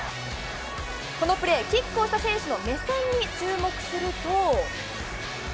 このプレー、キックをした選手の目線に注目すると。